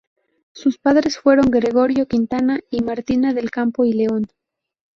Sus padres fueron Gregorio Quintana y Martina del Campo y León.